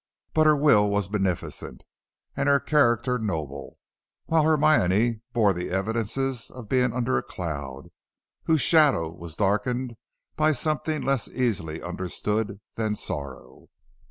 But her will was beneficent, and her character noble, while Hermione bore the evidences of being under a cloud, whose shadow was darkened by something less easily understood than sorrow.